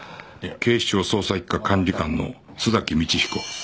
警視庁捜査一課管理官の須崎道彦